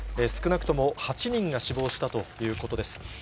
少なくとも８人が死亡したということです。